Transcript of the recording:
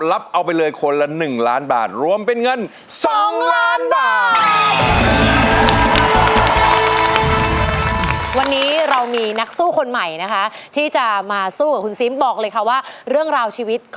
เอาไปเลยคนละ๑ล้านบาทรวมเป็นเงิน๒ล้านบาท